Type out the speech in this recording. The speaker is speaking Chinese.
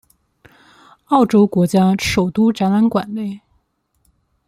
澳洲国家首都展览馆内。